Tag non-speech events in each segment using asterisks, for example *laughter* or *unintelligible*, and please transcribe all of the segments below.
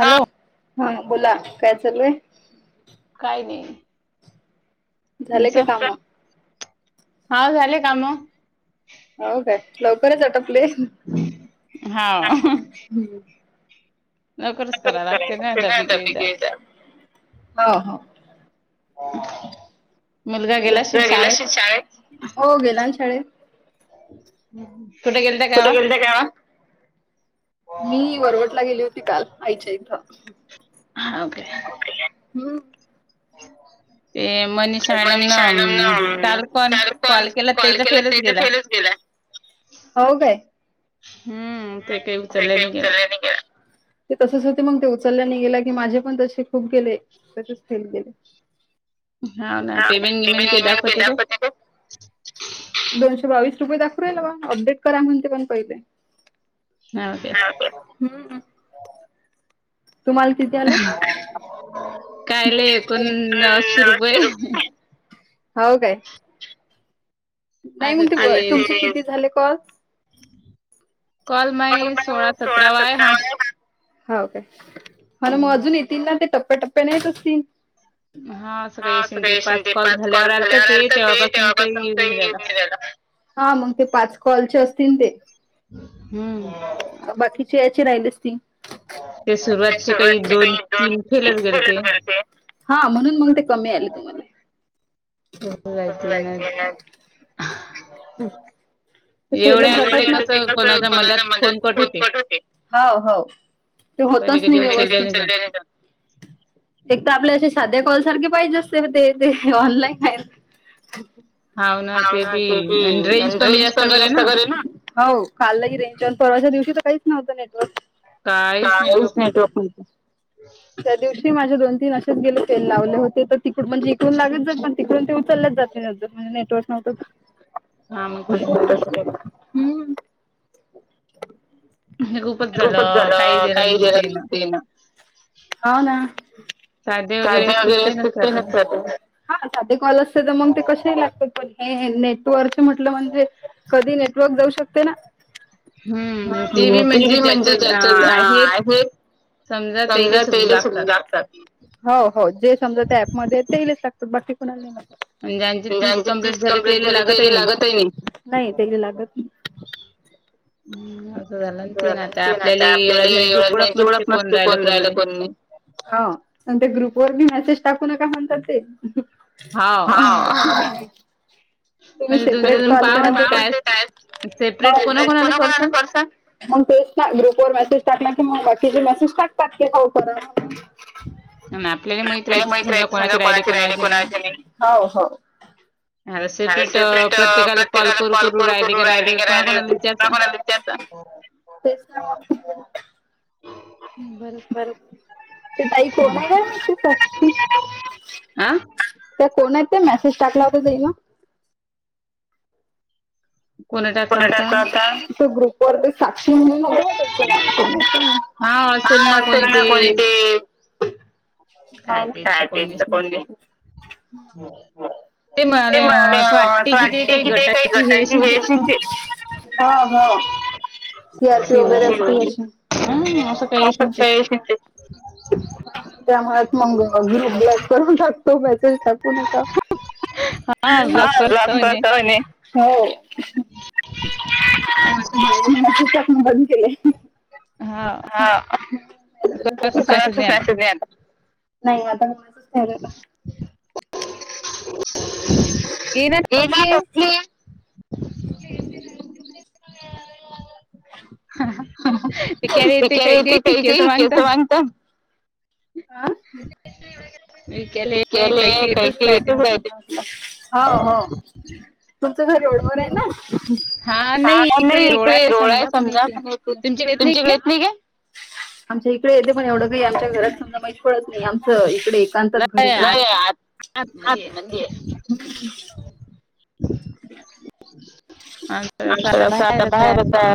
हा ह बोला काय चालू हाय काही नाही. झालंय का काम हा झाली काम हावं का लवकरच आटपली. हा तसंच कराय लागते ना *inaudible* हो हो. गेला श शाळेत हो गेला ना शाळेत तुठे गेले त्या कायवा का *unintelligible* मी वरवटला गेली होती काल आईच्या इथं हा बरे हम्म मनीषा मॅडम न चाल कॉल कॉल केला तेचा फेलच गेला हो काय हम्म ते काय उचचाले नाही गेला. ते तसेच होते मग ते उचलल्याने गेला की माझे पण तसे खूप गेले त्याच फेल गेले हामनमन केदते दोनशे बावीस रुपये दाखवूयाल बा अपडेट करा म्हणते पण पहिले होय काय हम्म तुम्हाला किती आलं कायल एकोण अशी रुपये हो काय नाही मग ते तुमचे किती झाले कॉल कॉल मय सोळा सतरा वा आहे हा हो काय म्हण मग अजून येतील ना ते टप्प्याटप्प्या नाहीेत असतील. हा असग काश ते पाच कॉल झाल्यावर आलता ते तेव्हापासून काही मला हा मग ते पाच कॉलचे असतील ते हम्म बाकीची याची नाही लस ती सुरवातची काही दोन ती परत मिते हा म्हणून मग ते कमी आले तुम्हाला होती ना कोणाच्या मनात फोन प होते हो ते होतच नाही व एक तर आपल्या असे साध्या कॉलसारखे पाहिजे असते ते ऑनलाईन का ह ना ते ने स् हो काे परवाच्या दिवशी तर काहीच नव्हतं नेटवर्क काच नेटवर्क त्या दिवशी माझ्या दोन तीन असेच गेले ते लावले होते तर तिकड म्हणजे इकडून लागत जात पण तिकडून ते उचलल्याच जात नेटवर्क नव हा मी तसंच आहेन हेगो खूपच झालं काही केल्या दूध पिये ना. हो ना *unintelligible* हा साधे कॉल असते तर मग ते कशेही लागतात प हे ही नेटवर्कचे म्हटलं म्हणजे कधी नेटवर्क जाऊ शकत हम्म ते बी टी म्हणजे ज्याच्यात आहेत समजा तेले सु जातात हो हो जे समजा त्या ऍपमध्ये तेच लागतात बाकी कुणाला नाही लागत ज्यांचे तीस कंप्लीट झाले त्येंनी लागत आहे. नाही त्यांनी लागत नाही. *unintelligible* *unintelligible* आता आपल्याला एवढची ओळख नसते कोण राहिल कोण नाही हा आणि ते ग्रुप वर बी मेसेज टाकू नका म्हणतात ते हाव *unintelligible* सेपरेट कोणाकोणाला कर ते सांग. मग तेच ना ग्रुपवर मेसेज टाकला की मग बाकीचे मेसेज टाकतात की हो करा. आपल्याला माहत राहायचं समजा कोणाचे राहिले कोणाचे नाही. हो हो. अरे सिपरेट प्रत्येकाला कॉल करु करु राहिले का राहिले कोणाकोणाला विचारता तेच ना बर ते ताई कोण आहे काय माहिती. त्या कोण आहेत ते मेसेज टाकला होता ते ग? कोणी टाकला होता? ते ग्रुप वर साक्षी म्हणून आहे बघ त्याच *unintelligible* हा असतल ना कोणी ते *unintelligible* *inaudible* ते म असं वाटते कि ते काही गटांची हे असेल ते हा हा सी आर पी वगैरे असतील *unintelligible* त्यामुळे मग ग्रुप ब्लॅक करून टाकतो मॅसेज टाकू नका *unintelligible* हो. *unintelligible* बंद केले हा अस *unintelligible* नाही आता *unintelligible* *unintelligible* *unintelligible* *unintelligible* केस बांधतान आ *unintelligible* म्हटलं हो हो तुमचं घर रोडवर आहे ना हा नाही इकडे रोड आहे समजा पण *unintelligible* आमच्या इकडे येते पण एवढं काही आमच्या घरात माहीत पडत नाही आमच इकडे एकांतात *unintelligible* नाही आत आतमध्ये आहे. माणस असं आता बाहेरच आहे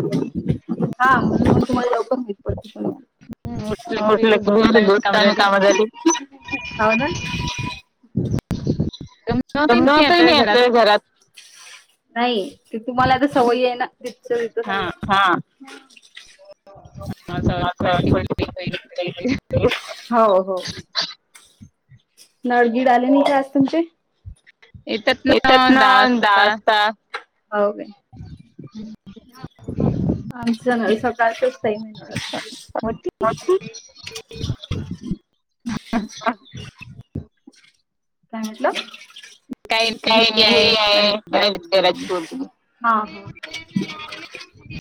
हा म्हणून मग तुम्हाला लवकर माहित पडते असेल *unintelligible* *unintelligible* घरात नाही ते तुम्हाला आता सवयी आहे *unintelligible* तिथं समजा हा *unintelligible* *inaudible* हो हो. नळगीड आले नाही काय आज तुमचे? येतात ना दहा वाजता. हो काय. *inaudible* आमचं नळ सकाळचा टाईम असते. *unintelligible* *inaudible* *unintelligible* *inaudible* काय म्हटलं? काय नाही हे आहे. *unintelligible* हा हा.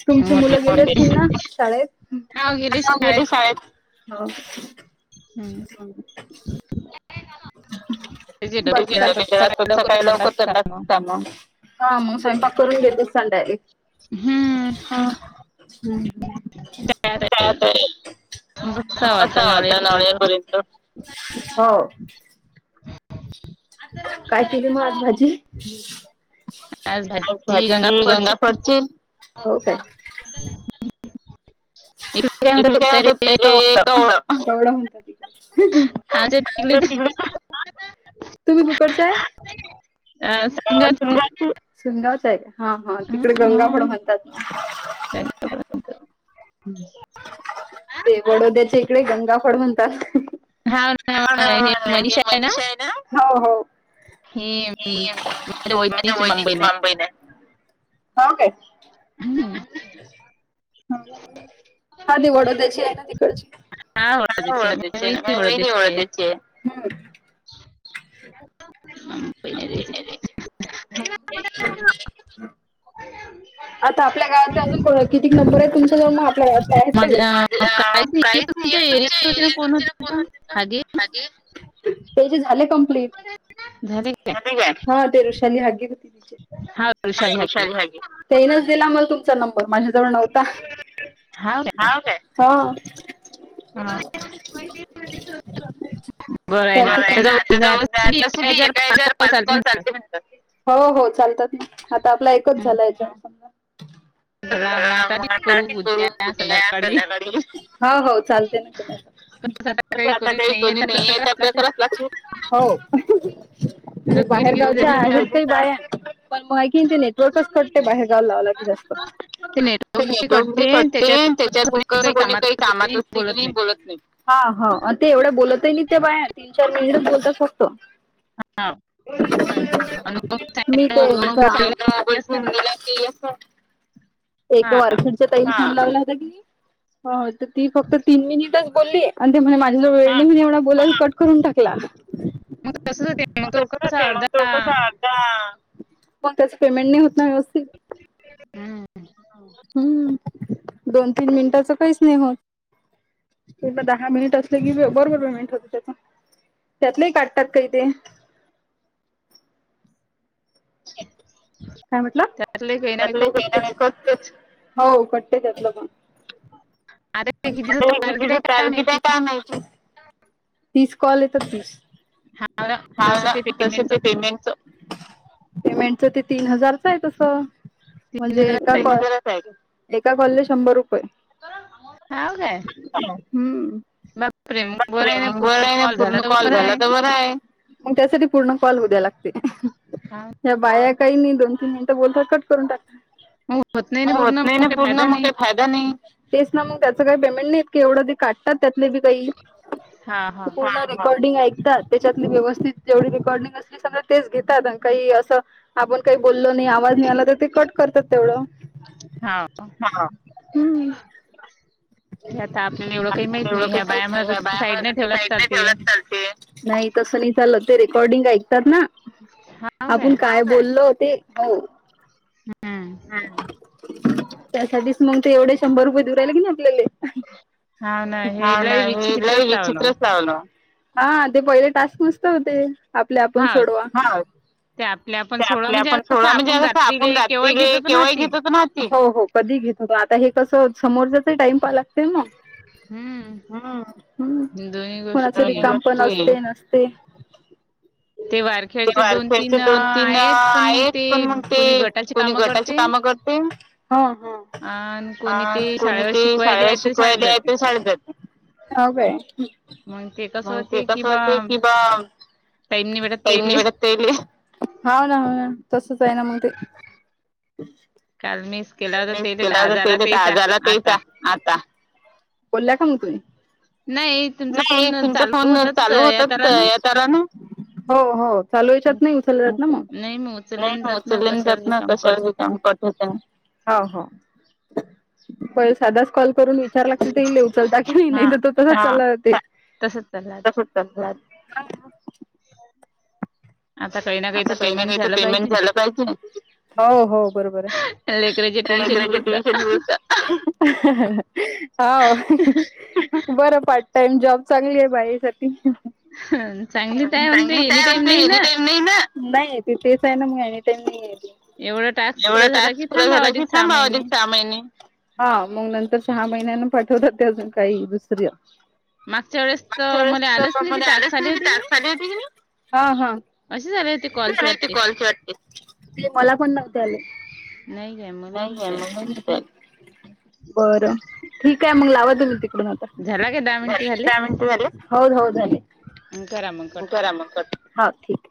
तुमची मुले गेले असतील ना शाळेत. हा गेली शाळे गेली शाळेत. हो, हो. *unintelligible* सकाळी लवकर *unintelligible* हा मग स्वयंपाक करून घेत संध्याकाळी. हम्म! हम्म! ह. कात्री. *unintelligible* सा वाता न नळी पर्यंत हो. काय केली मग आज भाजी? अतची गंगा फडतील हो काय. इकडे काय म्हणत्यात तेले कवळ. आठवडा म्हणत तिकडे, तिकडे काय म्हणतात? तुम्ही कुकडचं आहे. *unintelligible* व शिनगावच आहे हा हा तिकडे गंगा म्हड म्हणतात ना. *unintelligible* ते वडोद्याच्या इकडे गंगाफळ म्हणतात. हा हा, हे मनीष आहे ना. हो हो हे म.. माझ्या बहिणीची मान बहीण आहे. हाव काय? हम. हा ते वडदचीय हाय ना तिकडची. हा ओळदचे म वहिने ओळदचे आहे. *unintelligible* *unintelligible* आता आपल्या गावातले अजून को कितीक नंबर आहे तुमच्या जवळ. झ काहीच तुमच्या एरियात ना फोनत *unintelligible* ते जे झाले कंप्लीट हा हा वैशली हके तेनच दिला मला तुमचा नंबर माझ्या जवळ नव्हता. हाव काय. हो. हा *unintelligible* बरं आहे ना आता चालते म्ह *unintelligible* हो हो चालतात ना, आता आपला एकच झाला याच्यामुळे समजा. *unintelligible* त्या संध्याकाळी हो हो चालते ना. त आता काही कोणी नाही आहेेत आपल्या कराच लाक्ष हो. बाहेरगावच्या आहेत काही बाया पण कि ते नेटवर्कच कटते बाहेरगाव कॉल लावला की जास्त. ते नेटवर्क कटते, त्याच्यात कोणी काही कामात असते की नाही बोलत नाही. हा हा ते एवढ्या बोलत आहे नाही ते बाया तीन चार मिनिटच बोलतात फक्त. मी ते, *unintelligible* ए वर्षाच्या टाईम लावला होता क तर ती फक्त तीन मिनिटच बोलली. आणि ते म्हणे माझ्या जव वेळणी मी एवढा बोलाय कट करून टाकला. तसच होते मग तो कसा अर्ध मग त्यास पेमेंट नाही होत ना व्यवस्थित हम्म दोन तीन मिनिटाचं काहीच नाही होत. ते दहा मिनिट असले किी बरोबर मिनिट होते त्यात त्यातले काढतात काही ते काय म्हटलं त्यातले कच हो कटतेतलं पण तीस कॉल येतात तीस हा ना तसे ते पेमेंटच. पेमेंटच ते तीन हजारचं आहे तस. म्हणजे एका कॉ एका कॉलले शंभर रुपये. हम्म म प्रेम बर आहे ना पूर्ण कॉल झाला तर बर आहे. मग त्यासाठी पूर्ण कॉल होद्या लागते या बाया फायदा नाही तेच ना मग त्या काही पेमेंट नाही. एवढं ते काढतात त्यातले बी काही पूर्ण रेकॉर्डिंग ऐकतात. त्याच्यात व्यवस्थित जेवढी रेकॉर्डिंग अस समजा तेच घेतात काही अस आपण काही बोललो नाही. आला तर ते कट करतात तेवढ. एवढं काही नाहीत नाही बायामुळे साईड नाही ठेवलत चालते. नाही तस नाही चालं ते रेकॉर्डिंग ऐकतात ना आपण काय? बोललो ते हा त्यासाठी मग ते एवढे शंभर रुपये दुउरहीले की नाही आपल्याला हा ना हे लई विचीत्रच लावलं. हा ते पहिले टास्क नुस्ता होते. आपल्या आपण सोडवा आपल्या आपण सोडवा म्हणजे अस आपण ज त केव्हा घेत हो ना हो हो कधी घेत होत आता हे कस समोरच्या टाइम प लागते ना. हम्म कुणाच काम पण असते नसते. ते वार ते वारकचे दोन तीन आहेत पण मग ते कोणी गटाची कामं करते. हो कोणी ते शाळेवर शिकवायला आहे तर शळतात. का मग ते कस होते किं बा टाइम नि भेटत. टाइम नाही भेटत तेले हा ना हो ना तसच आहे ना मग ते मस केलाता ते आजारला तेचा आता बोलल्या का मग तुम्ही नाही तुमचा फोन चालू होतात. तररा ना हो हो चालू हेच्यात नाही उचलले जात ना मग नाही उचलले जात ना कशा काम हो होहो पहिले साधाच कॉल करून विचारय लागते ते उचलता की नाही नाही तर तो तसा चाला ते तसंच चलला त अ आता काही ना काही तर पेमेंट झालं पाहिजे. हो हो बरोबर आहे टेशन. हा बरं पार्ट टाइम जॉब चांगली आहे बाई साठी चांगलीच आहे मग ते एनी टाईम नाही ना. नाही ना नाही येत तेच आहे ना मग आणि एनी टाइम नाही हे. एवढा टास्क पुरा झाला कि थांबा अधिक सहा महिने हा मग नंतर सहा महिन्यान पाठवतात ते अजून काही दुसरी आलस ट साली होती की ना ह ह. कशी झालेत? कॉलच्या वाट बघते? मला पण नव्हते आले बग मर पाात *unintelligible* बरं ठीकाय मग लावा तुम्ही तिकडून? झाले दहा मिनिट झाले? हो हो झाले करा मग कट? हो ठीकय